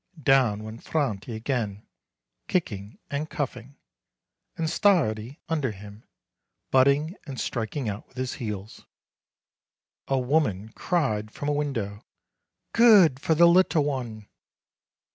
Down went Franti again, kicking and cuffing, and Stardi under him, butting and striking out with his heels. A woman cried from a window, "Good for the little one!"